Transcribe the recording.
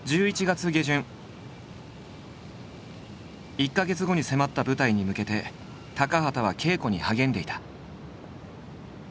１か月後に迫った舞台に向けて高畑は稽古に励んでいた。